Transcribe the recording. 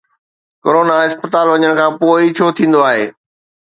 Corona اسپتال وڃڻ کان پوءِ ئي ڇو ٿيندو آهي؟